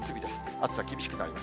暑さ、厳しくなります。